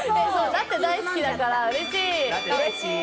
ラテ大好きだからうれしい。